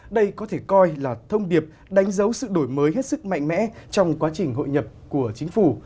đây có thể coi là thông điệp đánh dấu sự đổi mới hết sức mạnh mẽ trong quá trình hội nhập của chính phủ